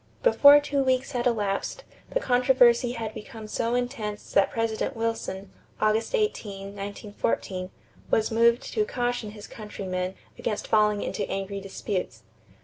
Before two weeks had elapsed the controversy had become so intense that President Wilson (August 18, 1914) was moved to caution his countrymen against falling into angry disputes.